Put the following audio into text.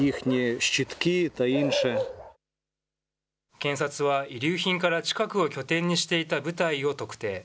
検察は遺留品から、近くを拠点にしていた部隊を特定。